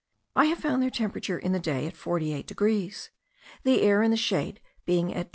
I have found their temperature in the day at 48 degrees, the air in the shade being at 29.